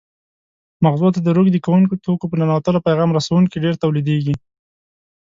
مغزو ته د روږدي کوونکو توکو په ننوتلو پیغام رسوونکي ډېر تولیدېږي.